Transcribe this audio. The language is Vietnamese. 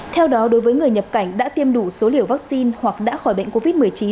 theo đó đối với người nhập cảnh đã tiêm đủ số liều vaccine hoặc đã khỏi bệnh covid một mươi chín